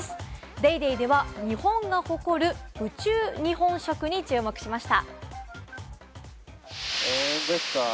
『ＤａｙＤａｙ．』では、日本が誇る宇宙日本食に注目しました。